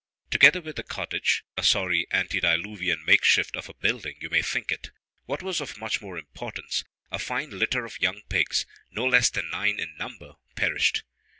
Together with the cottage (a sorry antediluvian makeshift of a building, you may think it), what was of much more importance, a fine litter of young pigs, no less than nine in number, perished.